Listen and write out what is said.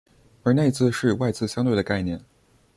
而内字是与外字相对的概念。